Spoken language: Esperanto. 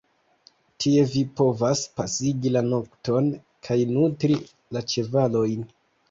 Tie vi povas pasigi la nokton kaj nutri la ĉevalojn.